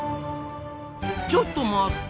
ちょっと待った！